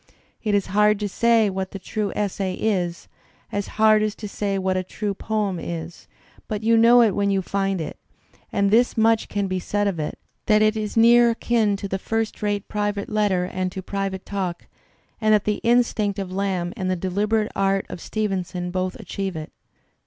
It is hard to say what the true essay is, as hard as to say what a true poem is, but you know it when you find it; and this much can be said of it, that it is near akin to the first rate private letter and to private talk, and that the instinct of Lamb and the deliberate art of Stevenson both achieve it.